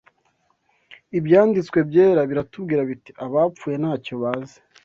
Ibyanditswe byera biratubwira biti: "Abapfuye ntacyo bazi